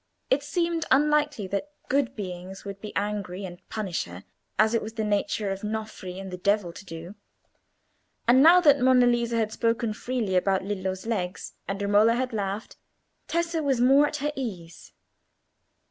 It seemed unlikely that good beings would be angry and punish her, as it was the nature of Nofri and the devil to do. And now that Monna Lisa had spoken freely about Lillo's legs and Romola had laughed, Tessa was more at her ease.